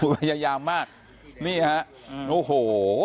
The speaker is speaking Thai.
พยายามมากนี่ฮะโอ้โห